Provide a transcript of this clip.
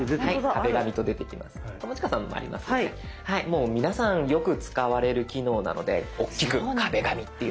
もう皆さんよく使われる機能なのでおっきく「壁紙」って。